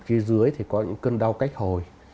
khi dưới thì có những cơn đau cách hồi